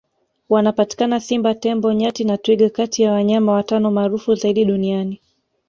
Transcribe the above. wanapatikana simba tembo nyati na twiga kati ya wanyama watano maarufu zaidi duniani